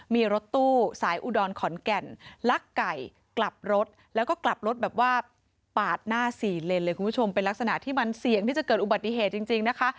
มีรถตู้สายอุดรขอนแก่นลักไก่กลับรถแล้วก็กลับรถแบบว่าปาดหน้าสี่เลนเลยคุณผู้ชมเป็นลักษณะที่มันเสี่ยงที่จะเกิดอุบัติเหตุจริงนะคะ